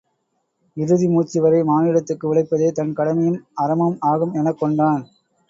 இறுதி மூச்சுவரை மானுடத்துக்கு உழைப்பதே தன் கடமையும் அறமும் ஆகும் எனக்கொண்டான்.